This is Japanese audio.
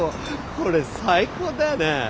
これ最高だよね！